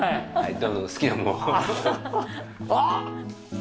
あっ！